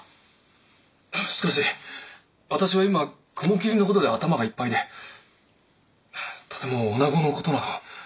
しかし私は今雲霧の事で頭がいっぱいでとても女子の事など。